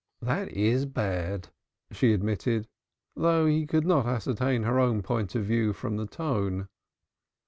"That is bad," she admitted, though he could not ascertain her own point of view from the tone.